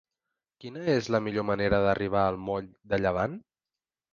Quina és la millor manera d'arribar al moll de Llevant?